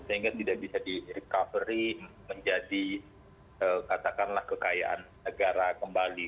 saya ingat tidak bisa direcovery menjadi katakanlah kekayaan negara kembali